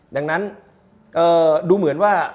ดังนั้นดูเหมือนว่า